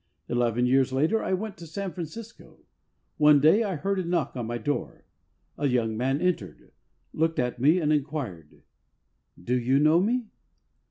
Eleven years later I went to San Francisco. One day, I heard a knock on my door. A young man entered, looked at me and inquired, " Do you know me